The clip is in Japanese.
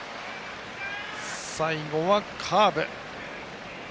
最後はカーブ。